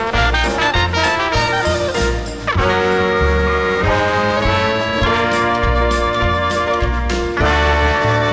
โปรดติดตามต่อไป